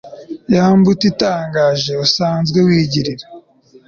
ya mbuto itangaje usanzwe wigirira